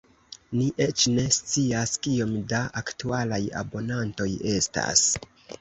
Ni eĉ ne scias kiom da aktualaj abonantoj estas.